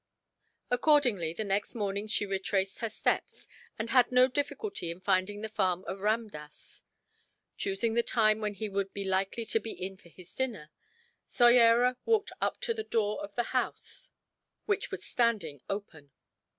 Accordingly the next morning she retraced her steps, and had no difficulty in finding the farm of Ramdass. Choosing the time when he would be likely to be in for his dinner, Soyera walked up to the door of the house, which was standing open.